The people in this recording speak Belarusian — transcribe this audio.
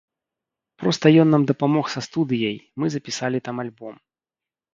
Проста ён нам дапамог са студыяй, мы запісалі там альбом.